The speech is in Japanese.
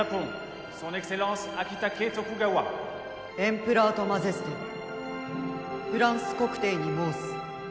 エンプラートマゼステ仏蘭西国帝に申す。